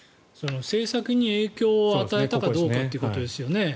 政策に影響を与えたかどうかということですよね。